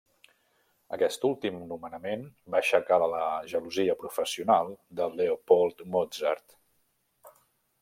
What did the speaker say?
Aquest últim nomenament va aixecar la gelosia professional de Leopold Mozart.